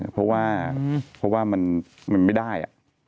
เพราะว่ามันไม่ได้